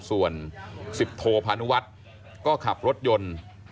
ส่วน๑๐โทพานุวัฒน์ก็ขับรถยนต์